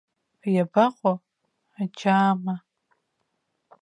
Иабаҟоу аџьаама?